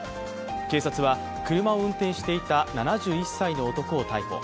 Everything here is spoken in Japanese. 警察は車を運転していた７１歳の男を逮捕。